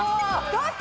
どっち？